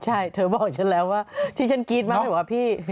ใช่เธอบอกฉันแล้วว่าที่ฉันกรี๊ดมากคือว่าพี่